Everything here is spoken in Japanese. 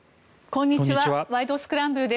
こんにちは。